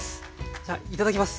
じゃあいただきます。